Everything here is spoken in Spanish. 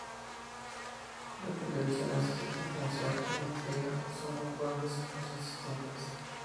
La televisión necesita tensión e intriga, son lenguajes y cosas distintas".